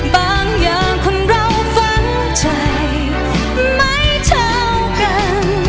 บางอย่างคนเราฝันใจไม่เท่ากัน